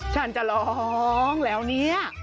ฉันจะร้องแล้วเนี่ย